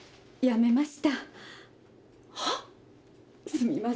すみません。